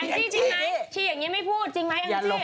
นี่จริงไหมชีอย่างนี้ไม่พูดจริงไหมแองจี้